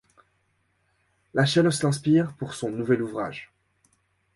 La Chalosse l'inspire pour son nouvel ouvrage.